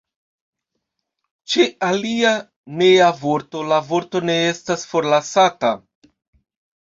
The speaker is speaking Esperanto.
Ĉe alia nea vorto la vorto ne estas forlasata.